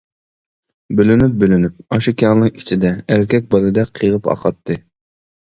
بۆلۈنۈپ-بۆلۈنۈپ، ئاشۇ كەڭلىك ئىچىدە ئەركە بالىدەك قىيغىتىپ ئاقاتتى.